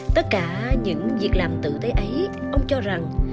tất cả những việc làm tự tế ấy ông cho rằng